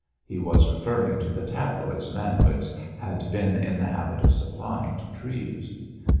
_" (He was referring to the tabloids Manwitz had been in the habit of supplying to Treves.)